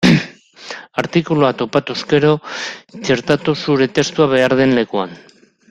Artikulua topatuz gero, txertatu zure testua behar den lekuan.